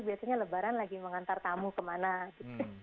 biasanya lebaran lagi mengantar tamu kemana gitu